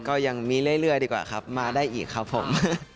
ก็ยังมีเรื่อยดีกว่าครับมาได้อีกครับผม